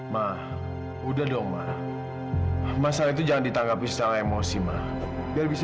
mah udah dong mah masalah itu jangan ditangkapi setelah emosi mah biar bisa